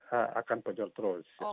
nantinya juga akan bocok terus